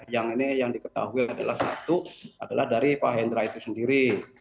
yang ini yang diketahui adalah satu adalah dari pak hendra itu sendiri